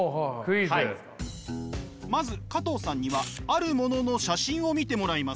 まず加藤さんにはあるものの写真を見てもらいます。